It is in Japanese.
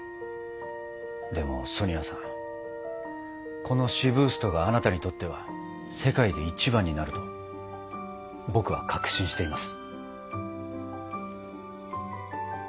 でもソニアさんこのシブーストがあなたにとっては世界で一番になると僕は確信しています。